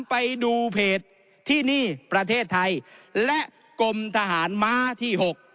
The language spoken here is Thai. ไปดูเพจที่นี่ประเทศไทยและกรมทหารม้าที่๖